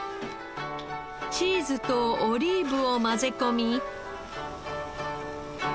チーズとオリーブを混ぜ込み。